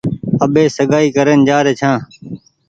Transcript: آٻي سگآئي ڪرين جآ ري ڇآن۔